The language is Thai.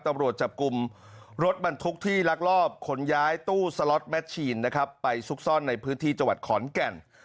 ตำรวจจับกลุ่มรถบรรทุกที่ลักลอบขนย้ายตู้สล็อตแมชชีนนะครับไปซุกซ่อนในพื้นที่จังหวัดขอนแก่น